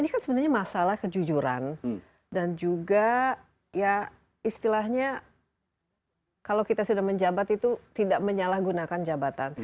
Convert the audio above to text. ini kan sebenarnya masalah kejujuran dan juga ya istilahnya kalau kita sudah menjabat itu tidak menyalahgunakan jabatan